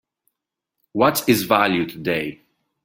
What's its value today?